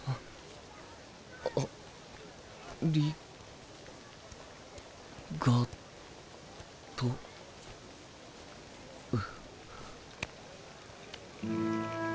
ありがとう？